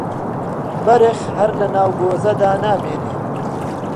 بەرخ هەر لەناو کۆزەدا نامێنێ